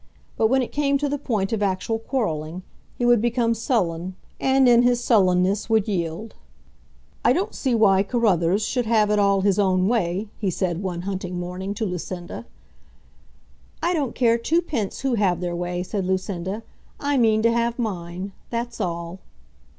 But when it came to the point of actual quarrelling, he would become sullen, and in his sullenness would yield. "I don't see why Carruthers should have it all his own way," he said, one hunting morning, to Lucinda. "I don't care twopence who have their way," said Lucinda, "I mean to have mine; that's all."